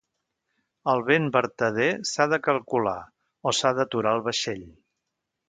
El vent vertader s'ha de calcular o s'ha d'aturar el vaixell.